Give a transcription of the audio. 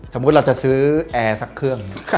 สมมุติเราจะซื้อแอร์สักเครื่อง